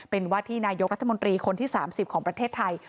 เป็นว่าที่นายกรัฐมนตรีคนที่๓๐ของประเทศไทย